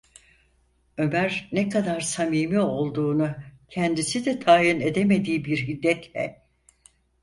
Ömer ne kadar samimi olduğunu kendisi de tayin edemediği bir hiddetle: